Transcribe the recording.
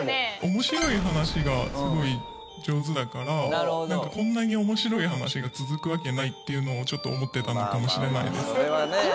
「面白い話がすごい上手だからなんかこんなに面白い話が続くわけないっていうのをちょっと思ってたのかもしれないです」